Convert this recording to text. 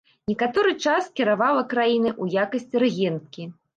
Некаторы час кіравала краінай у якасці рэгенткі.